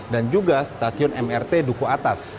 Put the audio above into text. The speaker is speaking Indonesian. dan juga stasiun mrt duku atas